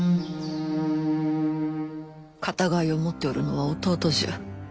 片貝を持っておるのは弟じゃ。